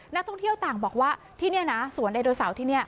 นักท่องเที่ยวต่างบอกว่าที่นี่นะสวนไดโนเสาร์ที่นี่